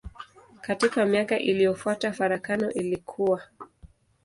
Katika miaka iliyofuata farakano ilikua.